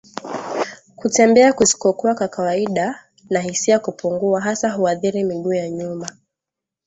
Kutembea kusikokuwa kwa kawaida na hisia kupungua hasa huathiri miguu ya nyuma